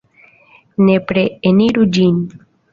Nepre eniru ĝin!